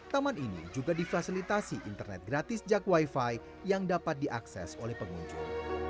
taman ini juga difasilitasi internet gratis jak wifi yang dapat diakses oleh pengunjung